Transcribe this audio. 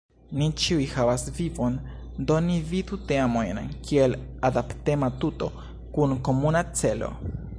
Ni ĉiuj havas vivon, do ni vidu teamojn kiel adaptema tuto kun komuna celo.